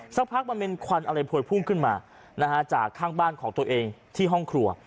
สักพักมันเป็นควันอะไรพวยพุ่งขึ้นมาจากข้างบ้านของตัวเองที่ห้องครัว